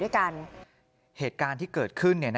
ยายถามนิ่งแต่เจ็บลึกถึงใจนะ